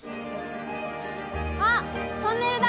「あっトンネルだ！」